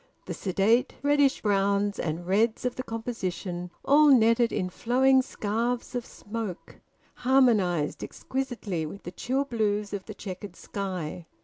The sedate reddish browns and reds of the composition, all netted in flowing scarves of smoke, harmonised exquisitely with the chill blues of the chequered sky.